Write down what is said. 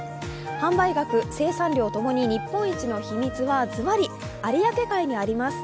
販売額、生産量ともに日本一の秘密はずばり、有明海にあります。